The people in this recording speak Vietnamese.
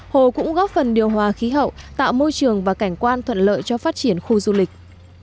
hồ cũng góp phần điều hòa khí hậu tạo môi trường và cảnh quan thuận lợi cho phát triển khu du lịch